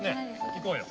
行こうよ。